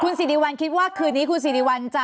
คุณศิริวัลคิดว่าคืนนี้คุณศิริวัล